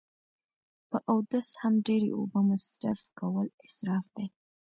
په اودس هم ډیری اوبه مصرف کول اصراف دی